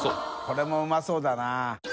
これもうまそうだな。